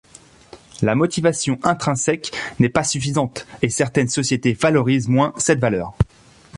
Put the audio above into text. La motivation intrinsèque n'est pas suffisante, et certaines sociétés valorisent moins cette valeur.